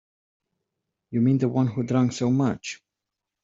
You mean the one who drank so much?